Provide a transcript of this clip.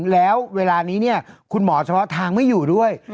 แล้วเวลานี้เนี่ยคุณหมอเฉพาะทางไม่อยู่ด้วย